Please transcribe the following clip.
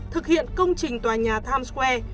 thực hiện công trình tòa nhà times square